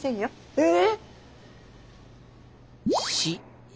えっ！